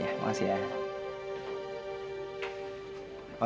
ya makasih ya